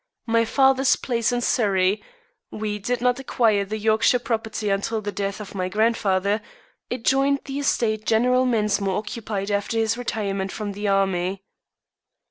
My father's place in Surrey we did not acquire the Yorkshire property until the death of my grandfather adjoined the estate General Mensmore occupied after his retirement from the army.